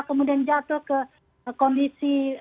kemudian jatuh ke kondisi